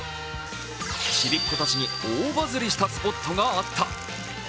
ちびっ子たちに大バズりしたスポットがあった。